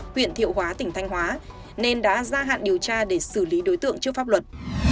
huyện thiệu hóa tỉnh thanh hóa nên đã ra hạn điều tra để xử lý đối tượng trước pháp luật